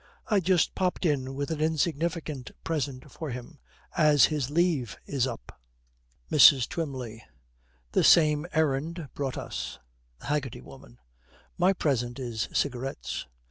I just popped in with an insignificant present for him, as his leave is up.' MRS. TWYMLEY. 'The same errand brought us.' THE HAGGERTY WOMAN. 'My present is cigarettes.'